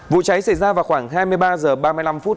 vụ cháy xảy ra vào khoảng hai mươi ba h ba mươi năm phút